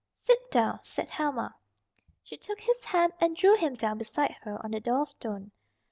"Sit down," said Helma. She took his hand and drew him down beside her on the door stone.